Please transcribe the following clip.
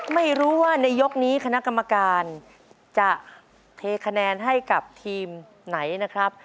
ไม่รู้ว่าในยกนี้คณะกรรมการจะเทคะแนนให้กับทีมไหนนะครับ